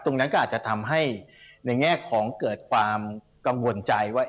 ตรงนั้นก็อาจจะทำให้ในแง่ของเกิดความกังวลใจว่า